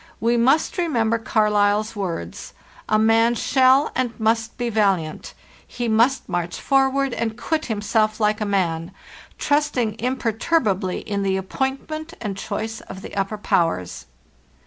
We must remember Carlyle's words: 'A man shall and must be valiant; he must march forward, and quit himself like a man — trusting imperturbably in the appointment and choice of the Upper Powers.